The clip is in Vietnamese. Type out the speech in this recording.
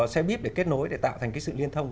xe bíp để kết nối để tạo thành cái sự liên thông